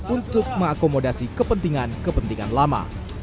untuk mengakomodasi kepentingan kepentingan lama